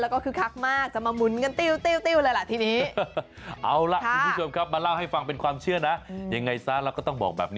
แล้วก็คือฮามากมาหมุนเตรียดอะไรฟะทีนี้เอาล่ะชมครับมาเล่าให้ฟังเป็นความเชื่อนะยังไงซะแล้วต้องบอกแบบ